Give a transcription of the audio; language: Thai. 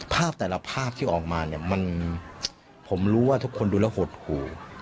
ภาพแต่ละภาพที่ออกมาเนี่ยมันผมรู้ว่าทุกคนดูแล้วหดหู